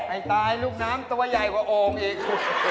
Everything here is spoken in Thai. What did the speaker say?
ไอ้ตายลูกน้ำตัวใหญ่กว่าโอ่งอีก